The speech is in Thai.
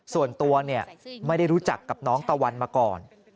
ส่วนตัวไม่ได้รู้จักกับน้องตะวันมาก่อน